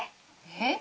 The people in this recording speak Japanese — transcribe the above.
えっ？